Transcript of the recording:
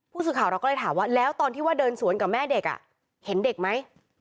ผู้สื่อข่าวเราก็เลยถามว่าแล้วตอนที่ว่าเดินสวนกับแม่เด็กเห็นเด็กไหม